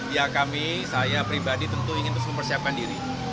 ya kami saya pribadi tentu ingin terus mempersiapkan diri